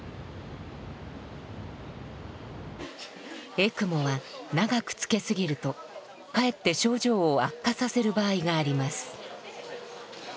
エクモは長くつけすぎるとかえって症状を悪化させる場合があります。